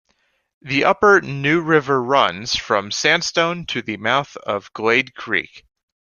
The Upper New River runs from Sandstone to the mouth of Glade Creek.